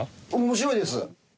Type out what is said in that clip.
面白いです。